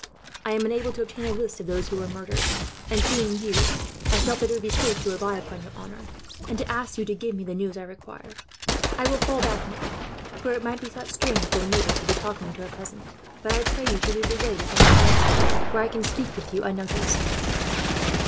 I am unable to obtain a list of those who were murdered and, seeing you, I felt that it would be safe to rely upon your honour, and to ask you to give me the news I require. I will fall back now, for it might be thought strange that a noble should be talking to a peasant; but I pray you to lead the way to some quiet spot, where I can speak with you unnoticed."